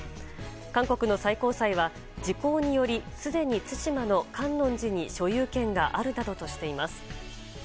韓国の最高裁は時効によりすでに対馬の観音寺に所有権があるなどとしています。